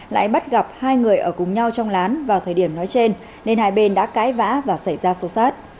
lại bắt gặp hai người ở cùng nhau trong lán vào thời điểm nói trên nên hai bên đã cãi vã và xảy ra xô xát